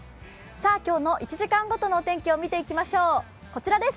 今日の１時間ごとのお天気を見ていきましょう。